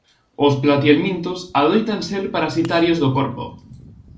Os platihelmintos adoitan ser parasitarios do corpo.